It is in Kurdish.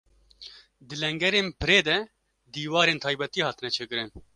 Di lengerên pirê de dîwarên taybetî hatine çêkirin.